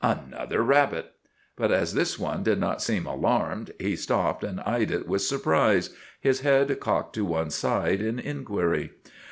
Another rabbit! But as this one did not seem alarmed, he stopped and eyed it with surprise, his head cocked to one side in inquiry.